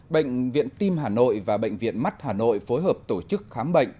bệnh viện tim hà nội và bệnh viện mắt hà nội phối hợp tổ chức khám bệnh